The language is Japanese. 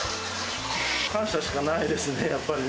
感謝しかないですね、やっぱりね。